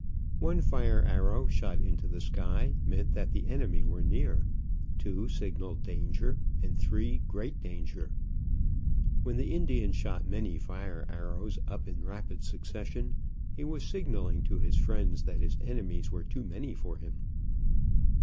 One fire arrow shot into the sky meant that the enemy were near; two signaled danger, and three great danger. When the Indian shot many fire arrows up in rapid succession he was signaling to his friends that his enemies were too many for him.